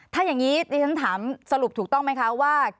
ถ้าอย่างนี้ดิฉันถามสรุปถูกต้องไหมคะว่า